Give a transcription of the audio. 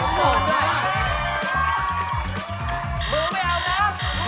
มาเขาหมอมได้